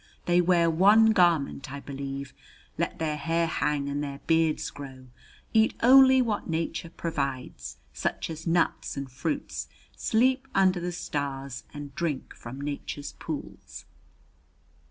They wear one garment, I believe, let their hair hang and their beards grow, eat only what Nature provides, such as nuts and fruits, sleep under the stars, and drink from Nature's pools.